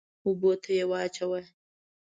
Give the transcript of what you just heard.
اوبو ته يې واچوه.